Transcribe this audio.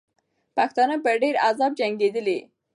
پښتانه په ډېر عذاب جنګېدلې.